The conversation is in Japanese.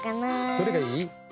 どれがいい？